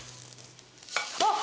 あっ！